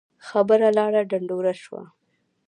خبره لاړه ډنډوره شوه.